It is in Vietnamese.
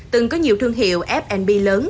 từng có nhiều thương hiệu f b lớn